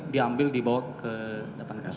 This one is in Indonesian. diambil dibawa ke depan kasus